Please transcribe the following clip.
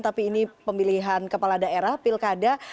tapi ini pemilihan kepala daerah pilkada